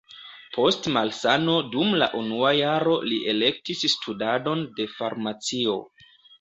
Post malsano dum la unua jaro li elektis studadon de farmacio.